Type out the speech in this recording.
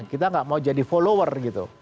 kita nggak mau jadi follower gitu